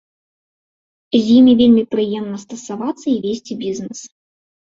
З імі вельмі прыемна стасавацца і весці бізнес.